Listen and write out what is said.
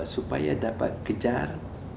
supaya dapat kejar